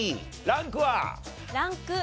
ランク２。